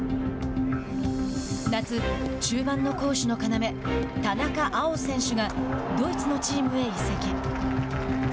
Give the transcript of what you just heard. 夏、中盤の攻守の要田中碧選手がドイツのチームへ移籍。